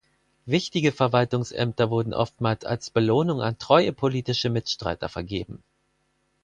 Wichtige Verwaltungsämter wurden oftmals als Belohnung an treue politische Mitstreiter vergeben.